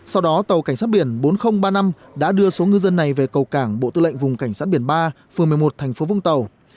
sau đó tàu cảnh sát biển bốn nghìn ba mươi năm đã đưa số ngư dân này về cầu cảng bộ tư lệnh vùng cảnh sát biển ba phường một mươi một thành phố vũng tàu